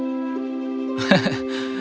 aku akan menangis juga